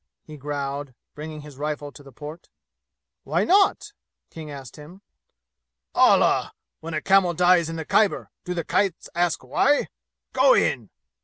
he growled, bringing his rifle to the port. "Why not?" King asked him. "Allah! When a camel dies in the Khyber do the kites ask why? Go in!"